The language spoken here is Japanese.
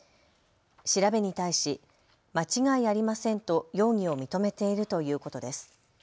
調べに対し間違いありませんと容疑を認めているということです。